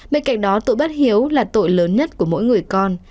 bên cạnh đó tội bắt hiếu là tội lớn nhất của mỗi người con